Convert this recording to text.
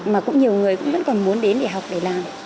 mà cũng nhiều người cũng vẫn còn muốn đến để học để làm